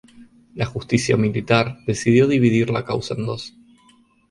La justicia militar decidió dividir la causa en dos.